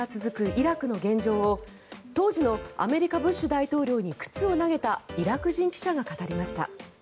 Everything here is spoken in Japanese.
イラクの現状を当時のアメリカ、ブッシュ大統領に靴を投げたイラク人記者が語りました。